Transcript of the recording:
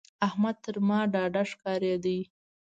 احمد تر ما ډاډه ښکارېده.